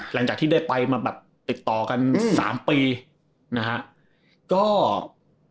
หลังจากที่ได้ไปมาติดต่อกัน๓ปีนะครับ